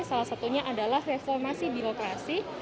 salah satunya adalah reformasi birokrasi